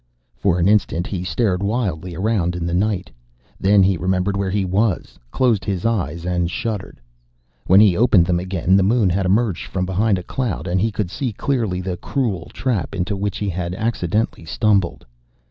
For an instant he stared wildly around in the night. Then he remembered where he was, closed his eyes and shuddered. When he opened them again, the moon had emerged from behind a cloud, and he could see clearly the cruel trap into which he had accidentally stumbled.